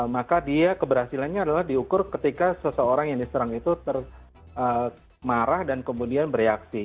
maka dia keberhasilannya adalah diukur ketika seseorang yang diserang itu termarah dan kemudian bereaksi